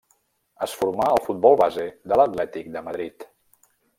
Es formà al futbol base de l'Atlètic de Madrid.